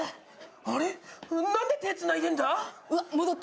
あれ、なんで手つないでんだ？